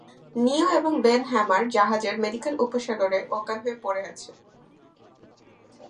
নিও এবং Ben "Hammer" জাহাজের মেডিকেল উপসাগরে অজ্ঞান হয়ে পড়ে আছে।